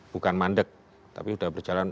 bukan mandek tapi sudah berjalan